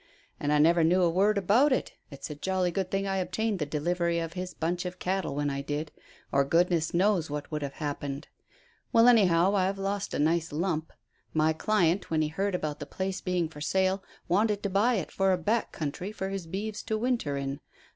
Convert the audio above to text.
"And I never knew a word about it. It's a jolly good thing I obtained the delivery of his bunch of cattle when I did, or goodness knows what would have happened. Well, anyhow I've lost a nice lump. My client, when he heard about the place being for sale, wanted to buy it for a back country for his beeves to winter in.